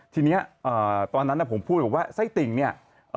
ทีนี้ตอนนั้นผมพูดบอกว่าไส้ติ่งเนี่ย